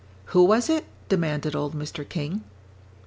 "Who was it?" demanded old Mr. King.